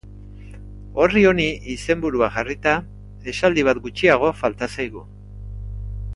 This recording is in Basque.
Orri honi izenburua jarrita, esaldi bat gutxiago falta zaigu.